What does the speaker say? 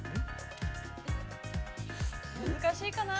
難しいかな？